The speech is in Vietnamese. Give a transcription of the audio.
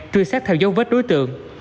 truy sát theo dấu vết đối tượng